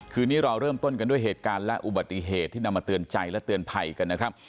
คืนนี้เราเริ่มต้นกันด้วยเหตุการณ์และอุบัติเหตุที่นำมาเตือนใจและเตือนภัยกันนะครับ